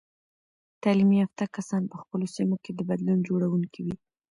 تعلیم یافته کسان په خپلو سیمو کې د بدلون جوړونکي وي.